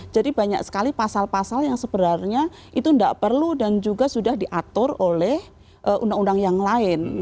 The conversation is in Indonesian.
jadi banyak sekali pasal pasal yang sebenarnya itu tidak perlu dan juga sudah diatur oleh undang undang yang lain